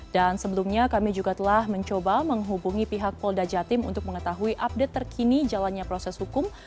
sebelumnya kami juga telah mencoba menghubungi pihak polda jatim untuk mengetahui update terkini jalannya proses hukum